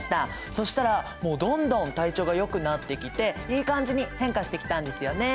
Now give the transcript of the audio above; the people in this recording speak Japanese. そしたらもうどんどん体調がよくなってきていい感じに変化してきたんですよね。